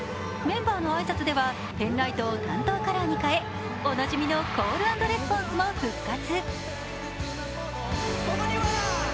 メンバーの挨拶ではペンライトを担当カラーに変え、おなじみのコールアンドレスポンスも復活。